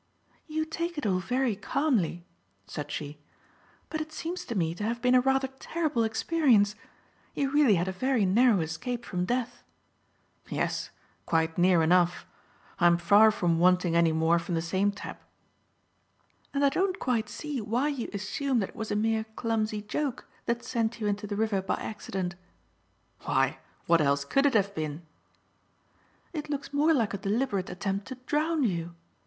"You take it all very calmly," said she, "but it seems to me to have been a rather terrible experience. You really had a very narrow escape from death." "Yes; quite near enough. I'm far from wanting any more from the same tap." "And I don't quite see why you assume that it was a mere clumsy joke that sent you into the river by accident." "Why, what else could it have been?" "It looks more like a deliberate attempt to drown you.